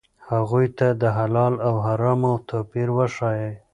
هغوی ته د حلال او حرامو توپیر وښایئ.